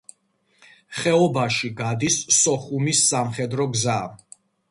ხეობაში გადის სოხუმის სამხედრო გზა.